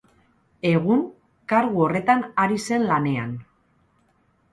Egun, kargu horretan ari zen lanean.